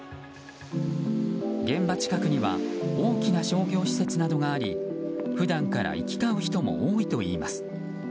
現場近くには大きな商業施設などがあり普段から行き交う人も多いといいます。